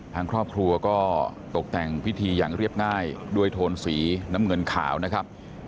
ทางครอบครัวก็ตกแต่งพิธีอย่างเรียบง่ายด้วยโทนสีน้ำเงินขาวนะครับ